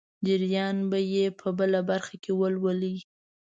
جریان به یې په بله برخه کې ولولئ.